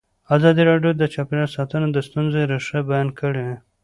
ازادي راډیو د چاپیریال ساتنه د ستونزو رېښه بیان کړې.